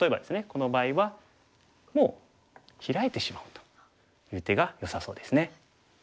この場合はもうヒラいてしまうという手がよさそうですね。